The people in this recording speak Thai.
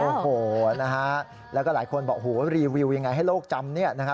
โอ้โหนะฮะแล้วก็หลายคนบอกโหรีวิวยังไงให้โลกจำเนี่ยนะฮะ